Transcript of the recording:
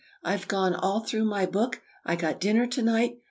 I've gone 'all through' my book! I got dinner to night!